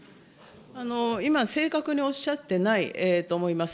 今、正確におっしゃってないと思います。